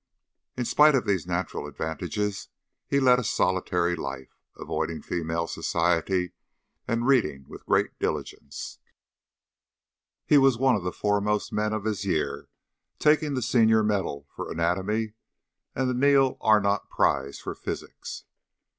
In spite of these natural advantages he led a solitary life, avoiding female society, and reading with great diligence. He was one of the foremost men of his year, taking the senior medal for anatomy, and the Neil Arnott prize for physics.